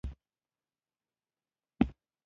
د اوسنیو ټکنالوژیو په سیالۍ بنده ویلی شي.